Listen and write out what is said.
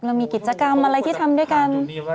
เรามีกิจกรรมอะไรที่ทำด้วยกัน